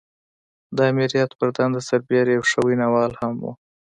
د آمريت پر دنده سربېره يو ښه ويناوال هم و.